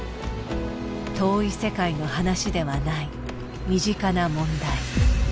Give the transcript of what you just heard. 遠い世界の話ではない身近な問題。